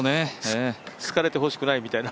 好かれてほしくないみたいな。